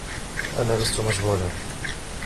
أنا لست مشغولا.